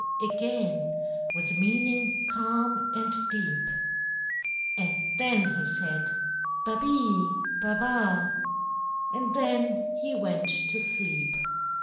_" again With meaning calm and deep: And then he said, "Ba be, ba ba!" And then he went to sleep.